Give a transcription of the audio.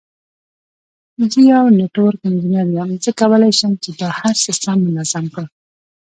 زه یو نټورک انجینیر یم، زه کولای شم چې دا هر څه سم منظم کړم.